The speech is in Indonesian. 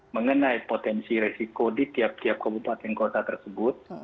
mengenai potensi resiko di tiap tiap kabupaten kota tersebut